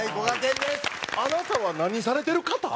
あなたは何されてる方？